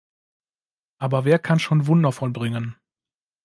Aber wer kann schon Wunder vollbringen?